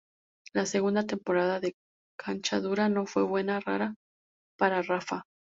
La segunda temporada de cancha dura no fue buena para "Rafa".